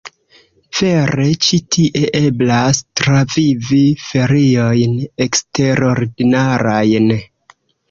Vere ĉi tie eblas travivi feriojn eksterordinarajn!